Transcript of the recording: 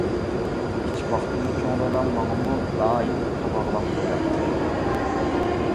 كىچىك ۋاقتىمدا چوڭ دادام ماڭىمۇ دائىم پوتا باغلاپ قوياتتى.